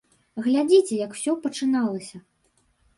Глядзіце, як усё пачыналася.